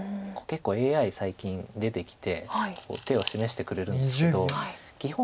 最近出てきて手を示してくれるんですけど基本